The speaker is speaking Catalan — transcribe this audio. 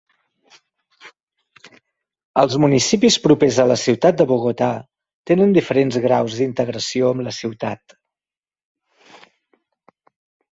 Els municipis propers a la ciutat de Bogotà tenen diferents graus d'integració amb la ciutat.